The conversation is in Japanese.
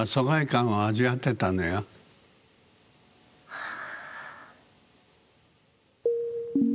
はあ。